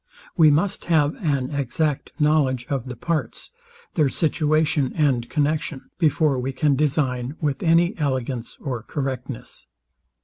We must have an exact knowledge of the parts, their situation and connexion, before we can design with any elegance or correctness.